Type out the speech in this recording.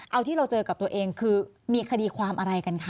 เอาที่เราเจอกับตัวเองคือมีคดีความอะไรกันคะ